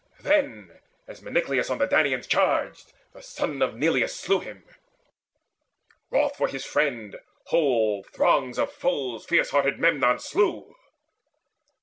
Then, as Meneclus on the Danaans charged, The son of Neleus slew him. Wroth for his friend, Whole throngs of foes fierce hearted Memnon slew.